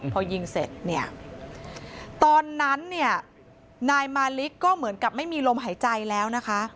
พอยิงเสร็จเนี่ยตอนนั้นเนี่ยนายมาลิกก็เหมือนกับไม่มีลมหายใจแล้วนะคะ